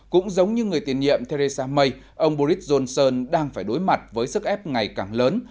cũng giống như người tiền nhiệm theresa may ông boris johnson đang phải đối mặt với sức ép ngày càng lớn